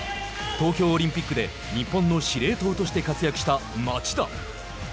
東京オリンピックで日本の司令塔として活躍した町田。